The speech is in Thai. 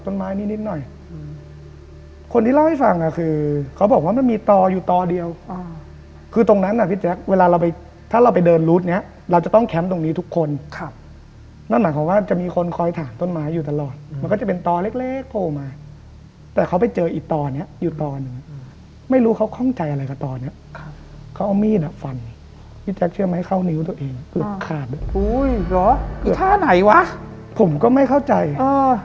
นิดหน่อยคนที่เล่าให้ฟังอ่ะคือเขาบอกว่ามันมีตออยู่ตอเดียวอ่าคือตรงนั้นน่ะพี่แจ็คเวลาเราไปถ้าเราไปเดินรูดเนี้ยเราจะต้องแคมป์ตรงนี้ทุกคนครับนั่นหมายความว่าจะมีคนคอยถ่านต้นไม้อยู่ตลอดมันก็จะเป็นตอเล็กเล็กโผล่มาแต่เขาไปเจออีตอเนี้ยอยู่ตอนไม่รู้เขาข้องใจอะไรกับตอนเนี้ยครับเขาเอามีดอ่ะฟันพี่แ